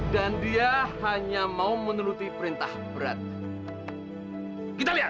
dan dia hanya mau meneluti perintah berat kita lihat